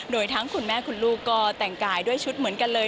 โดยทั้งคุณแม่คุณลูกก็แต่งกายด้วยชุดเหมือนกันเลย